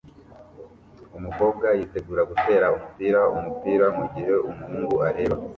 Umukobwa yitegura gutera umupira umupira mugihe umuhungu areba